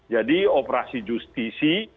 jadi operasi justisi